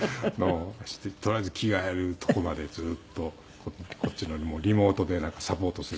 とりあえず着替えるとこまでずっとこっちのリモートでなんかサポートする。